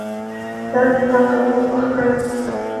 سړک په کم کیفیت پخ کړي.